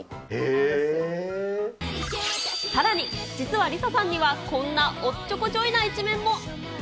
さらに、実はＬｉＳＡさんにはこんなおっちょこちょいな一面も。